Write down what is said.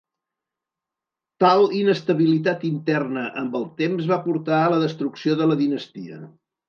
Tal inestabilitat interna amb el temps va portar a la destrucció de la dinastia.